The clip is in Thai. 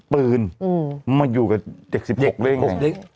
มันมาอยู่กับเด็ก๑๖เลยไง